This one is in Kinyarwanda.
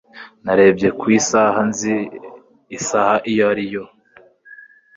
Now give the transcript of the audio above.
Narebye ku isaha nzi isaha iyo ari yo.